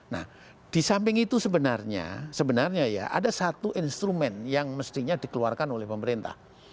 nah di samping itu sebenarnya sebenarnya ya ada satu instrumen yang mestinya dikeluarkan oleh pemerintah